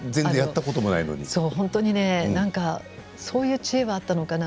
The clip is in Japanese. そういう知恵はあったのかな。